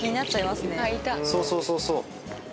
そうそう、そうそう。